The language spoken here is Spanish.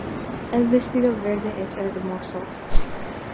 El vestido verde es hermoso.